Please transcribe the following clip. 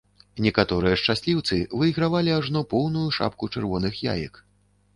Некаторыя шчасліўцы выйгравалі ажно поўную шапку чырвоных яек.